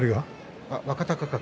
若隆景。